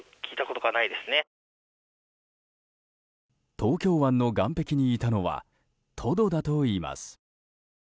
東京湾の岸壁にいたのはトドだといいます。